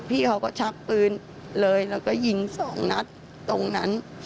พี่เขาก็ชักปืนเลยแล้วก็ยิงสองนัดตรงนั้น